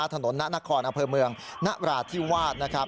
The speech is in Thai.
ถนนนะณคอนอเภอเมืองณราชที่วาดนะครับ